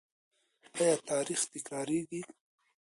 آیا تاریخ تکراریږي؟